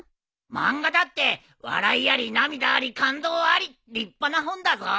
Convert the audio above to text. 漫画だって笑いあり涙あり感動あり立派な本だぞ。